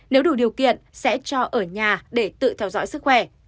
nếu đủ điều kiện sẽ cho ở nhà để tự theo dõi sức khỏe